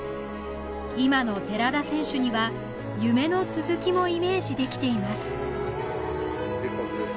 今の寺田選手には夢の続きもイメージできています